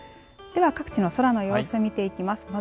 では各地の空の様子見ていきます。